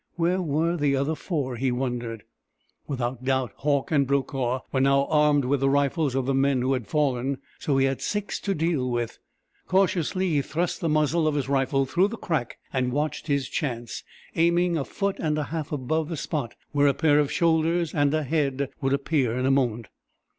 Where were the other four, he wondered? Without doubt Hauck and Brokaw were now armed with the rifles of the men who had fallen, so he had six to deal with. Cautiously he thrust the muzzle of his rifle through the crack, and watched his chance, aiming a foot and a half above the spot where a pair of shoulders and a head would appear in a moment.